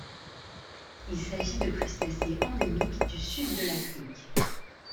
Il s'agit de crustacés endémiques du sud de l'Afrique.